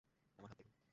আমার হাত দেখুন।